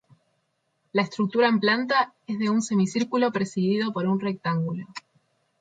La estructura en planta es de un semicírculo precedido por un rectángulo.